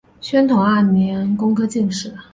宣统二年工科进士。